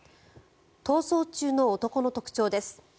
逃走中の男の特徴です。